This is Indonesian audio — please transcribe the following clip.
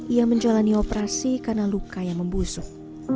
ia menjalani operasi karena luka yang membusuk